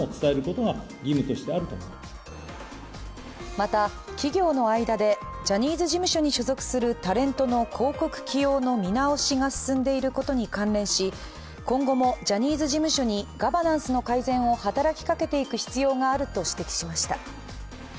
また、企業の間でジャニーズ事務所に所属するタレントの広告起用の見直しが進んでいることに関連し、今後もジャニーズ事務所にガバナンスの改善を働きかけていく必要があると指摘しました。